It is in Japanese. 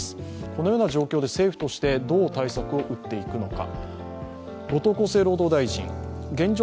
このような状況で、政府としてどう対策を打っていくのか。